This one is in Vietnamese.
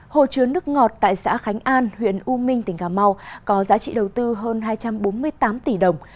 hồ chứa nước ngọt tại xã khánh an huyện u minh tỉnh cà mau có giá trị đầu tư hơn hai trăm bốn mươi tám tỷ đồng